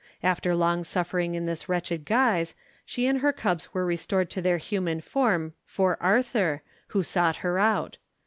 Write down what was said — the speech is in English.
After long suffering in this wretched guise, she and her cubs were restored to their human form 'for Arthur,' who sought her out.